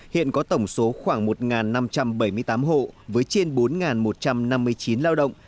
hiện có tổng số khoảng một năm trăm bảy mươi tám hộ với trên bốn một trăm năm mươi chín lao động